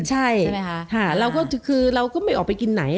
ใช่เราก็ไม่ออกไปกินไหน